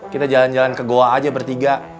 kita jalan jalan ke goa aja bertiga